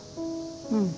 うん。